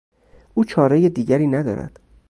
او چارهی دیگری ندارد.